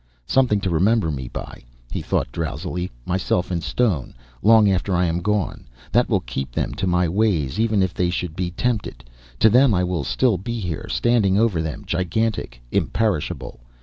Something to remember Me by, He thought drowsily. Myself in stone, long after I am gone. That will keep them to My ways, even if they should be tempted. To them I will still be here, standing over them, gigantic, imperishable.